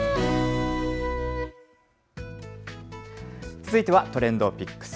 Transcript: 続いてはＴｒｅｎｄＰｉｃｋｓ。